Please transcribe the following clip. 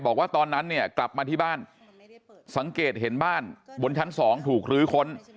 บอกว่าตอนนั้นเนี่ยกลับมาที่บ้านสังเกตเห็นบ้านบนชั้น๒ถูกลื้อค้น